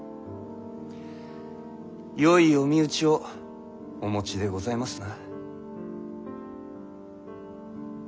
よいお身内をお持ちでございますな。